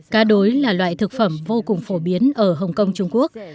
cá đối là loại thực phẩm vô cùng phổ biến ở hồng kông trung quốc